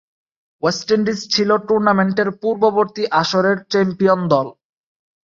West Indies ছিল টুর্নামেন্টের পূর্ববর্তী আসরের চ্যাম্পিয়ন দল।